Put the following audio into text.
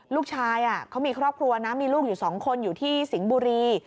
ลูกชายเขามีครอบครัวนะมีลูกอยู่๒คนอยู่ที่สิงห์บุรี